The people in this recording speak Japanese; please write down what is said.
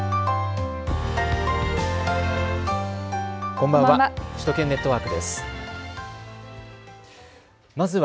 こんばんは。